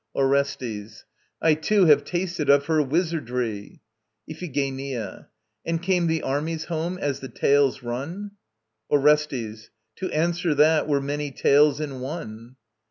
ORESTES. I too have tasted of her wizardry. IPHIGENIA. And came the armies home, as the tales run? ORESTES. To answer that were many tales in one.